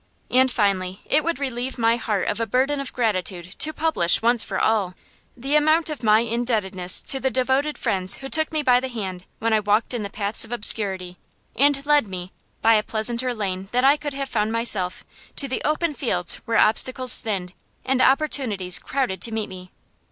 And finally, it would relieve my heart of a burden of gratitude to publish, once for all, the amount of my indebtedness to the devoted friends who took me by the hand when I walked in the paths of obscurity, and led me, by a pleasanter lane than I could have found by myself, to the open fields where obstacles thinned and opportunities crowded to meet me.